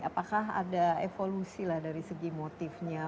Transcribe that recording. apakah ada evolusi lah dari segi motifnya